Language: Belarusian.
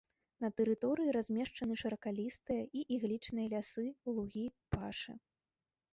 На тэрыторыі размешчаны шыракалістыя і іглічныя лясы, лугі, пашы.